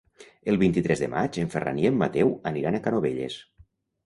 El vint-i-tres de maig en Ferran i en Mateu aniran a Canovelles.